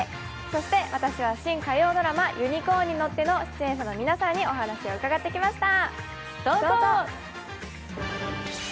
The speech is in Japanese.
そして私は新火曜ドラマ「ユニコーンに乗って」の出演者の皆さんにお話を伺ってきました。